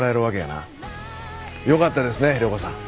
よかったですね涼子さん。